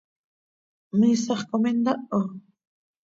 ¿Miisax com intaho?